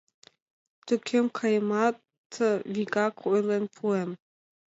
Тӧкем каемат, вигак ойлен пуэм.